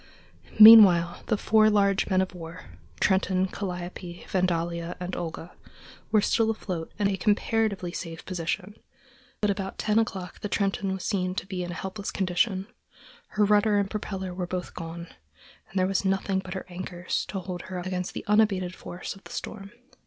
Meanwhile, the four large men of war, Trenton, Calliope, Vandalia, and Olga, were still afloat and in a comparatively safe position; but about ten o'clock the Trenton was seen to be in a helpless condition; her rudder and propeller were both gone, and there was nothing but her anchors to hold her up against the unabated force of the storm.